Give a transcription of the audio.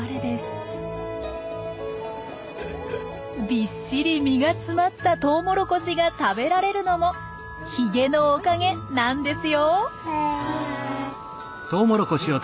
びっしり実が詰まったトウモロコシが食べられるのもヒゲのおかげなんですよ。